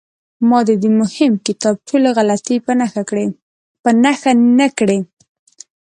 ما د دې مهم کتاب ټولې غلطۍ په نښه نه کړې.